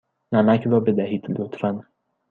نمک را بدهید، لطفا.